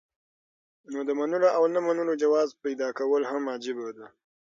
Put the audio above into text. نو د منلو او نۀ منلو جواز پېدا کول هم عجيبه ده